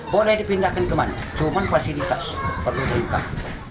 boleh dipindahkan ke mana cuma fasilitas perlu diingkat